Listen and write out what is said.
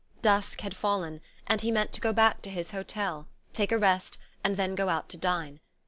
Dusk had fallen, and he meant to go back to his hotel, take a rest, and then go out to dine.